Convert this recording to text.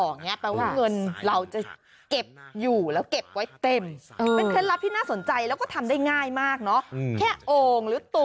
แคลธรรมนึงคฤต